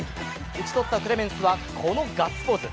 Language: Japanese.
打ち取ったクレメンスはこのガッツポーズ。